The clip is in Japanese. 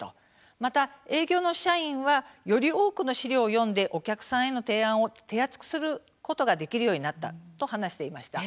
また営業の社員はより多くの資料を読んでお客さんへの提案を手厚くすることができるようになった、と話していました。